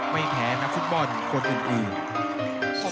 ไม่แพ้นักฟุตบอลคนอื่น